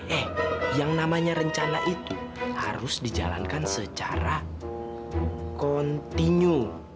eh yang namanya rencana itu harus dijalankan secara kontinu